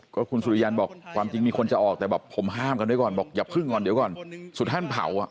ก็คุณสุริยันบอกความจริงมีคนจะออกแต่แบบผมห้ามกันไว้ก่อนบอกอย่าพึ่งก่อนเดี๋ยวก่อนสุดท้ายเผาอ่ะ